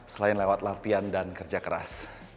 selain lewat latihan dan kerja keras